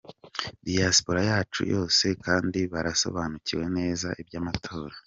Diaspora yacu yose kandi barasobanukiwe neza iby’amatora.